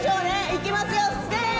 いきますよ。